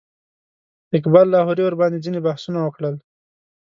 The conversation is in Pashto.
اقبال لاهوري ورباندې ځینې بحثونه وکړل.